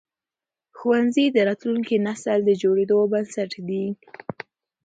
ښوونځي د راتلونکي نسل د جوړېدو بنسټ دي.